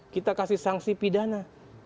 kita kasih sanksi pidana